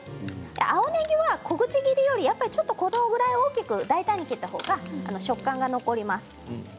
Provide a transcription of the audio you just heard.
青ねぎは小口切りよりやっぱりこのぐらい大きく大胆に切った方が食感が残ります。